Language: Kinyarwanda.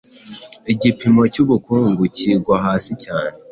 igipimo cy’ubukungu kigwa hasi cyane,